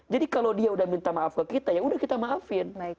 jadi kalau dia sudah minta maaf ke kita ya sudah kita maafin